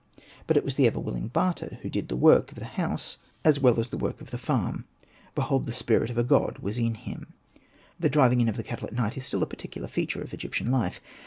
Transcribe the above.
But it was the ever willing Bata who did the work of the house as well as Hosted by Google 70 ANPU AND BATA the work of the farm. ''Behold the spirit of a god was in him." The driving in of the cattle at night is still a particular feature of Egyptian life.